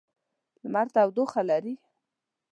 لمر تودوخه لري.